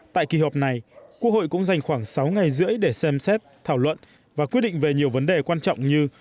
tại kỳ họp này quốc hội cũng dành khoảng sáu ngày rưỡi để xem xét thảo luận và quyết định về nhiều vấn đề quan trọng như